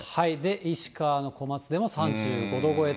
石川の小松でも３５度超えと。